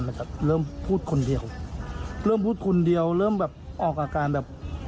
แล้วก็เริ่มพูดคนเดียวเริ่มพูดคนเดียวเริ่มแบบออกอาการแบบ